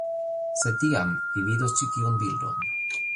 Sed tiam, vi vidos ĉi tiun bildon.